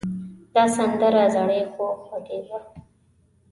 دا سندره زړې خو خوږه ده.